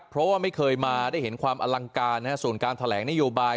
เพราะว่าไม่เคยมาได้เห็นความอลังการส่วนการแถลงนโยบาย